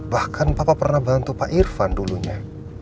bahkan papa pernah bantu pak irfan dulunya